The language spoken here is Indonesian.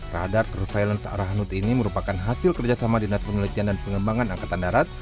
radar surveillance arahanut ini merupakan hasil kerjasama dinas penelitian dan pengembangan angkatan darat